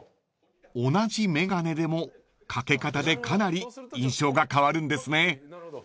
［同じ眼鏡でも掛け方でかなり印象が変わるんですね］